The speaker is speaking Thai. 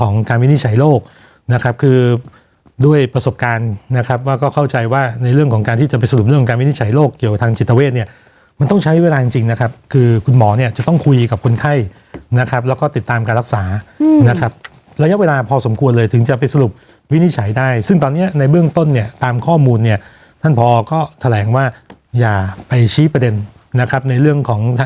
เรื่องของการวินิจฉัยโรคนะครับคือด้วยประสบการณ์นะครับว่าก็เข้าใจว่าในเรื่องของการที่จะไปสรุปเรื่องการวินิจฉัยโรคเกี่ยวกับทางจิตเวทเนี่ยมันต้องใช้เวลาจริงนะครับคือคุณหมอเนี่ยจะต้องคุยกับคนไข้นะครับแล้วก็ติดตามการรักษานะครับระยะเวลาพอสมควรเลยถึงจะไปสรุปวินิจฉัยได้ซึ่งตอนนี้ในเบื้